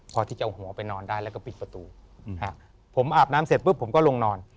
พอที่จะเอาหัวไปนอนได้แล้วก็ปิดประตูผมอาบน้ำเสร็จปุ๊บผมก็ลงนอน